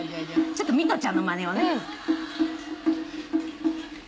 ちょっと水戸ちゃんのまねをね。